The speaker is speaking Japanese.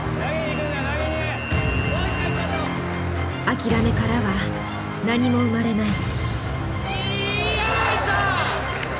「あきらめからは何も生まれない」。